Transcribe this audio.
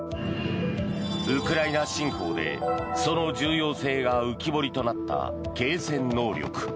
ウクライナ侵攻でその重要性が浮き彫りとなった継戦能力。